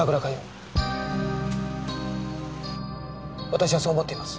私はそう思っています。